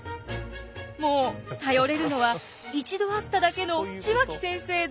もう頼れるのは一度会っただけの血脇先生だけ。